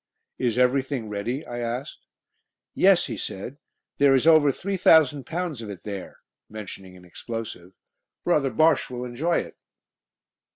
"Is everything ready?" I asked. "Yes," he said. "There is over three thousand pounds of it there" (mentioning an explosive). "Brother Bosche will enjoy it."